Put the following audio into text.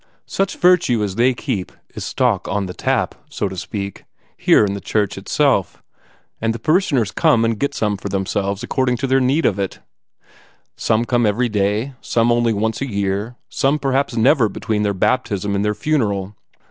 Such virtue as they keep in stock is on tap, so to speak, here in the church itself, and the parishioners come and get some for themselves according to their need for it. Some come every day, some only once a year, some perhaps never between their baptism and their funeral.